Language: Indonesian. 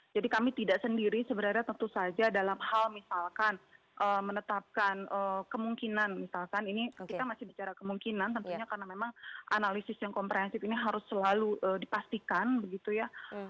jadi kami tidak sendiri sebenarnya tentu saja dalam hal misalkan menetapkan kemungkinan misalkan ini kita masih bicara kemungkinan tentunya karena memang analisis yang komprehensif ini harus selalu dipastikan begitu ya